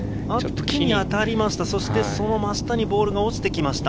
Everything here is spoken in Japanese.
木に当たりました。